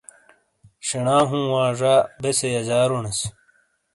شینا ہوں وا زا بیسے یجارونیس۔